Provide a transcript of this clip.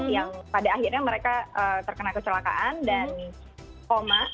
yang pada akhirnya mereka terkena kecelakaan dan koma